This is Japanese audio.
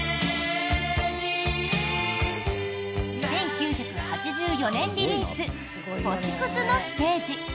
１９８４年リリース「星屑のステージ」。